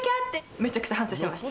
めちゃくちゃ反省しました。